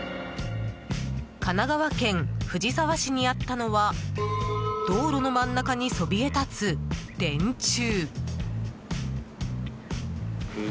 神奈川県藤沢市にあったのは道路の真ん中にそびえ立つ電柱。